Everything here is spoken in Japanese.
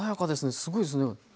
すごいですね。